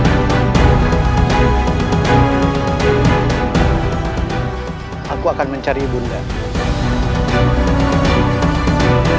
ya amin kan disini ya tu